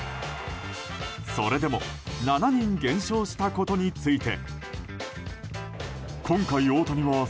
それでも７人減少したことについて。